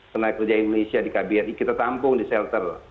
karena kerja indonesia di kbri kita tampung di shelter